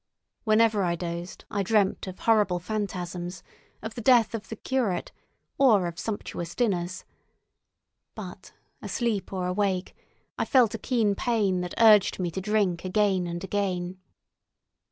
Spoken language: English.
Whenever I dozed I dreamt of horrible phantasms, of the death of the curate, or of sumptuous dinners; but, asleep or awake, I felt a keen pain that urged me to drink again and again.